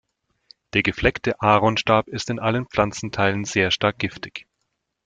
Der Gefleckte Aronstab ist in allen Pflanzenteilen sehr stark giftig.